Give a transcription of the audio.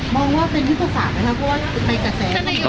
มองว่าเป็นวิธีศาสตร์ไหมครับเพราะว่าจะไปกับแสง